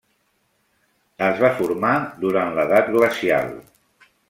Es va formar durant l'edat glacial.